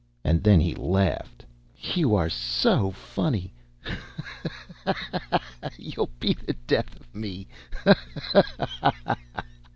And then he laughed. "You are so funny! Ho! ho! You'll be the death of me! He! he!